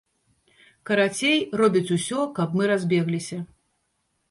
Карацей, робяць усё, каб мы разбегліся.